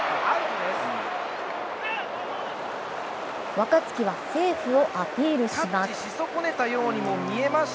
若月はセーフをアピールします。